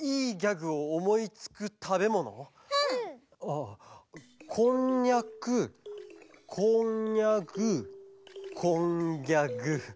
あこんにゃくこんにゃぐこんぎゃぐ。